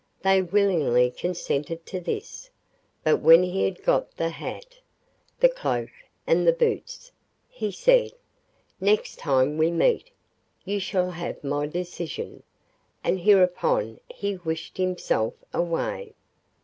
They willingly consented to this, but when he had got the hat, the cloak, and the boots, he said, 'Next time we meet you shall have my decision,' and hereupon he wished himself away.